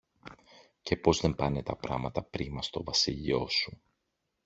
και πως δεν πάνε τα πράματα πρίμα στο βασίλειο σου.